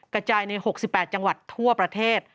กระจายใน๖๘จังหวัดทั่วประเทศ